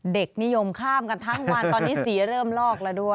เด็กนิยมข้ามกันทั้งวันตอนนี้สีเริ่มลอกแล้วด้วย